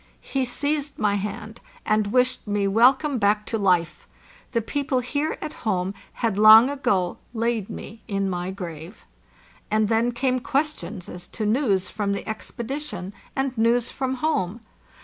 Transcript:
He seized my hand, and wished me welcome back to life; the people here at home had long ago laid me in my grave. And then came questions as to news from the expedition, and news from home.